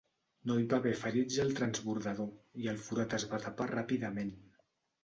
No hi va haver ferits al transbordador i el forat es va tapar ràpidament.